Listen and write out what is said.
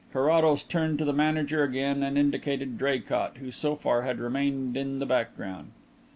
Carrados turned to the manager again and indicated Draycott, who so far had remained in the background.